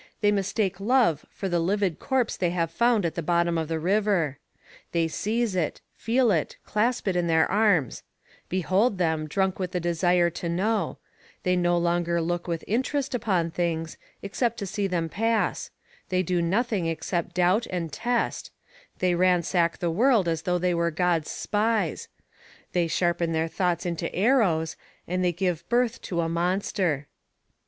they mistake love for the livid corpse they have found at the bottom of the river. They seize it, feel it, clasp it in their arms; behold them, drunk with the desire to know; they no longer look with interest upon things, except to see them pass; they do nothing except doubt and test; they ransack the world as though they were God's spies; they sharpen their thoughts into arrows, and they give birth to a monster.